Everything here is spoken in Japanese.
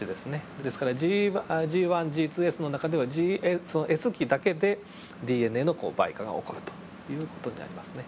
ですからＧＧＳの中ではそのＳ期だけでＤＮＡの倍加が起こるという事になりますね。